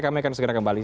kami akan segera kembali